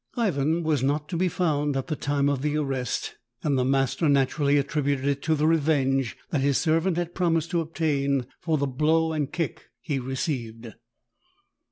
Ivan was not to be found at the time of the arrest, and the master naturally attributed it to the revenge that his servant had promised to obtain for the blow and kick he received.